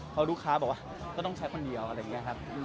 เพราะลูกค้าบอกว่าก็ต้องใช้คนเดียวอะไรอย่างนี้ครับ